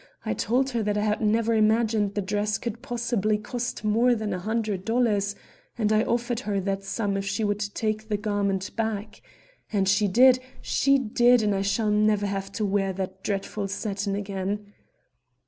I told her that I had never imagined the dress could possibly cost more than a hundred dollars, and I offered her that sum if she would take the garment back. And she did, she did, and I shall never have to wear that dreadful satin again."